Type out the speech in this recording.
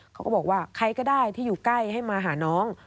เขาก็บอกว่าใครก็ได้ที่อยู่ใกล้ให้มาหาน้อง